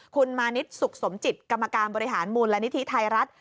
คุณมานิดสุขสมจิตกรรมการบริหารมูลนิธิไทยรัฐ